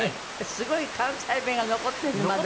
すごい関西弁が残ってるねまだ。